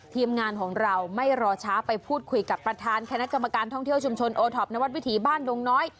ทีมงานของเราไม่รอช้าไปพูดคุยกับประธานคณะกรรมการท่องเที่ยวชุมชนโอท็อปนวัดวิถีบ้านดงน้อย